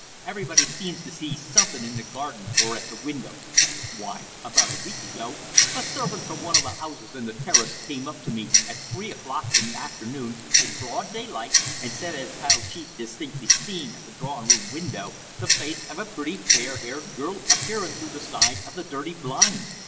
Everybody seems to see something in the garden, or at the windows. Why, about a week ago, a servant from one of the 'ouses in the Terrace came up to me at three o'clock in the afternoon, in broad daylight, and said as how she'd distinctly seen at the drawin' room window the face of a pretty, fair haired girl a peerin' through the side of the dirty blind.